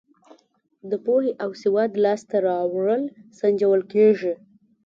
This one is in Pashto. د پوهې او سواد لاس ته راوړل سنجول کیږي.